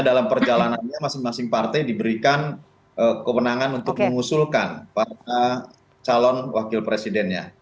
dalam perjalanannya masing masing partai diberikan kewenangan untuk mengusulkan para calon wakil presidennya